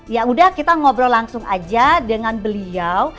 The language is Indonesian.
ya udah kita ngobrol langsung aja dengan beliau